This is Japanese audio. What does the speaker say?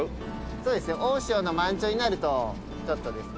そうですね大潮の満潮になるとちょっとですね。